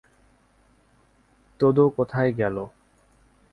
Todo কোথায় গেল?